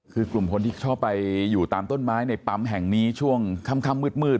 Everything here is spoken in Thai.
คือกลุ่มคนที่ชอบไปอยู่ตามต้นไม้ในปั๊มแห่งนี้ช่วงค่ำมืด